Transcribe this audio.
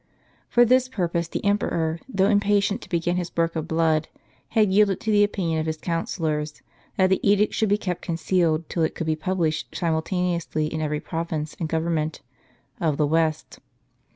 For this purpose the emperor, though impatient to begin his work of blood, had yielded to the opinion of his counsel lors, that the edict should be kept concealed till it could be published siumltaneously in every province, and government, of the West.